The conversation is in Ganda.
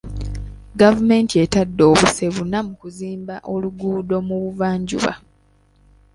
Gavumenti etadde obuse buna mu kuzimba oluguudo mu buvanjuba.